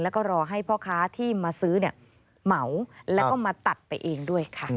แล้วก็รอให้พ่อค้าที่มาซื้อเหมาแล้วก็มาตัดไปเองด้วยค่ะ